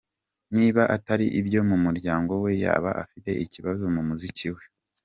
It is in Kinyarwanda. Niba atari ibyo mu muryango we yaba afite ikibazo mu muziki we!”.